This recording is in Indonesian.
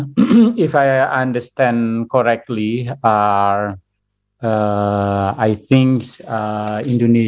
jika saya memahami dengan benar